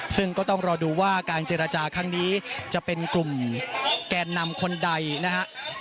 ซึ่งก็ต้องรอดูว่าการเจรจาครั้งนี้จะเป็นกลุ่มแกนนำคนใดนะฮะ